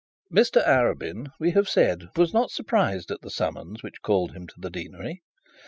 Mr Arabin, as we have said, was not surprised at the summons which called him to the deanery.